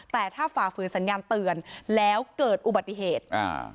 แต่ถ้าฝ่าฝืนสัญญาณเตือนแล้วเกิดอุบัติเหตุอ่า